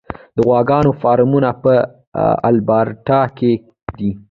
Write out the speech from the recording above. د غواګانو فارمونه په البرټا کې دي.